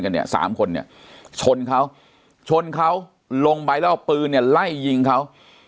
กันเนี่ย๓คนเนี่ยชนเขาชนเขาลงไปแล้วปืนไล่ยิงเขา